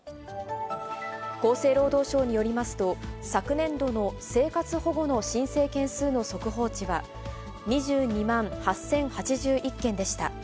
厚生労働省によりますと、昨年での生活保護の申請件数の速報値は、２２万８０８１件でした。